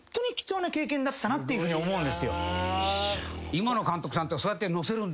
今の監督さんってそうやって乗せるんだ？